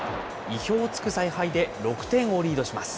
意表をつく采配で６点をリードします。